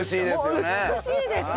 もう美しいですよ。